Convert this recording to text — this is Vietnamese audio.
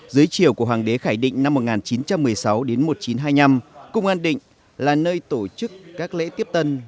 dưới chiều của hoàng đế khẳng định năm một nghìn chín trăm một mươi sáu đến một nghìn chín trăm hai mươi năm công an định là nơi tổ chức các lễ tiếp tân